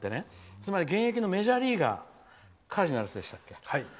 つまり、現役のメジャーリーガー。カージナルスでしたっけ。